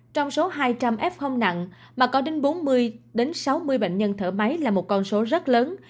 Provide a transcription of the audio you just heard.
trong số hai trăm linh f nặng mà có đến bốn mươi sáu mươi bệnh nhân thở máy là một con số rất lớn